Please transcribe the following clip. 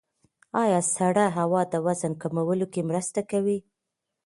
ایا سړه هوا د وزن کمولو کې مرسته کوي؟